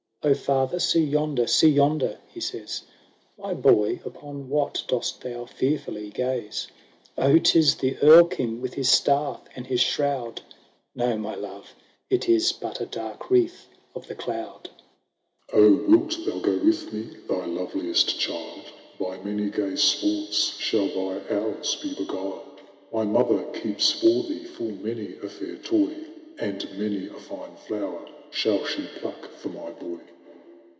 " O father ! see yonder, see yonder !" he says. "My boy, upon what dost thou fearfully gaze?" " O, 'tis the Erl King with his staff and his shroud !"" No, my love ! it is but a dark wreath of the cloud." The Phantom speaks. " O ! wilt thou go with me, thou loveliest child ? By many gay sports shall thy hours he beguiled ; My mother keeps for thee full many a fair toy, And many a fine flower shall she pluck for my boy."